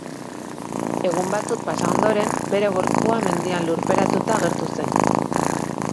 Egun batzuk pasa ondoren, bere gorpua mendian lurperatuta agertu zen.